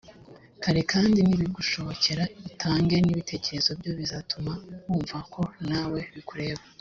kare kandi nibigushobokera utange n ibitekerezo ibyo bizatuma wumva ko nawe bikureba